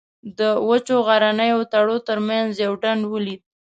د وچو غرنیو تړو تر منځ یو ډنډ ولید.